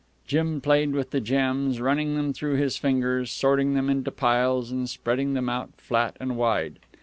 Jim played with the gems, running them through his fingers, sorting them into piles, and spreading them out flat and wide.